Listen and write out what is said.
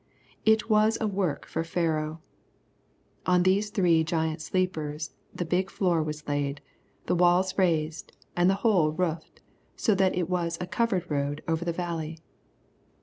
It was a work for Pharaoh. On these three giant sleepers the big floor was laid, the walls raised, and the whole roofed, so that it was a covered road over the Valley.